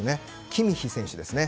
キミッヒ選手ですね。